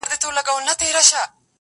چي مي بایللی و، وه هغه کس ته ودرېدم .